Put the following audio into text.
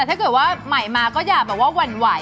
แต่ถ้าเกิดว่าใหม่มาก็อย่าหวั่นไหว